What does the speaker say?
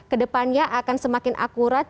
kedepannya akan semakin akurat